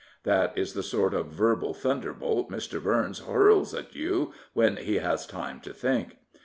That is the sort of verbal thunderbolt Mr. Burns hurls at you when he has time to think.